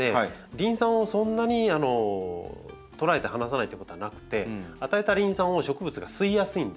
リン酸をそんなにとらえて離さないってことはなくて与えたリン酸を植物が吸いやすいんですよ。